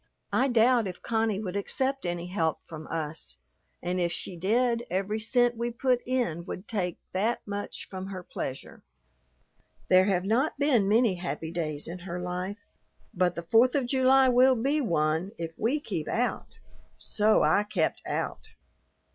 "I doubt if Connie would accept any help from us, and if she did, every cent we put in would take that much from her pleasure. There have not been many happy days in her life, but the Fourth of July will be one if we keep out." So I kept out.